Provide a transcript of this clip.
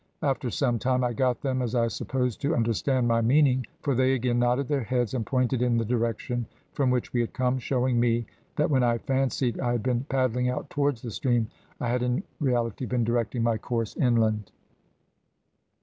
After some time I got them, as I supposed, to understand my meaning, for they again nodded their heads, and pointed in the direction from which we had come, showing me, that when I fancied I had been paddling out towards the stream, I had in reality been directing my course inland.